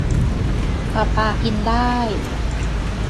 ประปากินได้